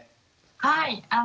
はい。